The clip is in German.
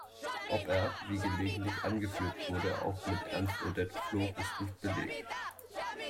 Ob er, wie gelegentlich angeführt wurde, auch mit Ernst Udet flog, ist nicht belegt.